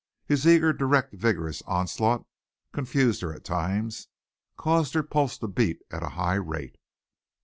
His eager, direct, vigorous onslaught confused her at times caused her pulse to beat at a high rate.